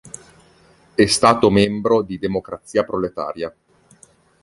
È stato membro di Democrazia Proletaria.